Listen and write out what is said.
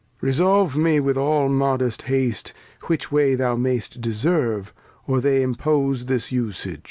Resolve me with aU modest Haste, which Way Thou mayst deserve, or they impose this Usage